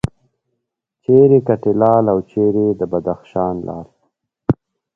چیرې کټې لال او چیرې د بدخشان لعل.